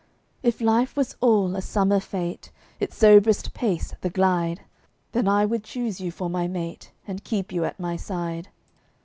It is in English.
If life was all a summer fete, Its soberest pace the "glide," Then I would choose you for my mate, And keep you at my side.